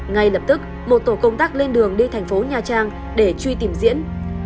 ngay lập tức một tổ công tác lên đường đi thành phố nha trang để truy tìm diễn